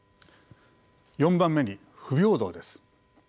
４番目に不平等です。